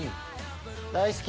大好き！